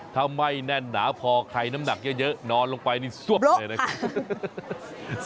ถ้าไม่แน่นหนาพอใครน้ำหนักเยอะนอนลงไปนี่ซวบเลยนะครับ